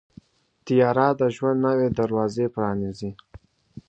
طیاره د ژوند نوې دروازې پرانیزي.